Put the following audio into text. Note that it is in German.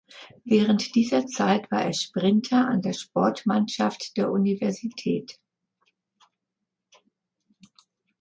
Während dieser Zeit war er Sprinter an der Sportmannschaft der Universität.